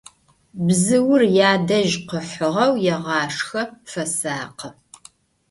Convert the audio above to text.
Bzıur yadej khıhığeu yêğaşşxe, fesakhı.